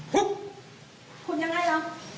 พูดยังไงล่ะ